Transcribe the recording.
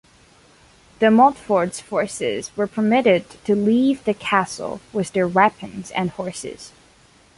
De Montfort's forces were permitted to leave the castle with their weapons and horses.